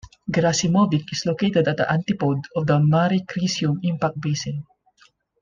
Gerasimovich is located at the antipode of the Mare Crisium impact basin.